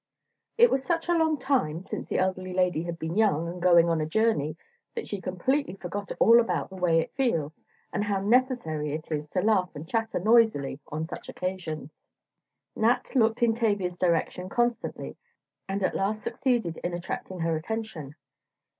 It was such a long time since the elderly lady had been young and going on a journey, that she completely forgot all about the way it feels, and how necessary it is to laugh and chatter noisily on such occasions. Nat looked in Tavia's direction constantly, and at last succeeded in attracting her attention.